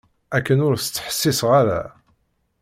Akken ur s-ttḥessiseɣ ara.